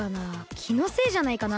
きのせいじゃないかな？